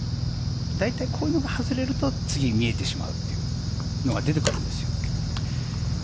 大体、こういうのが外れると次が見えてしまうというのが出てくるんですよ。